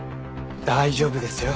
大丈夫ですよ。